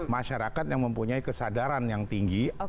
masyarakat yang mempunyai kesadaran yang tinggi